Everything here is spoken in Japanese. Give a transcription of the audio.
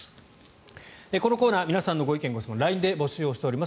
このコーナー皆さんのご意見・ご質問をＬＩＮＥで募集しております。